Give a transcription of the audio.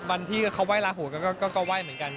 วันที่เขาไห้ลาหูก็ไหว้เหมือนกัน